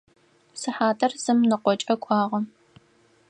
Сыхьатыр зым ныкъокӏэ кӏуагъэ.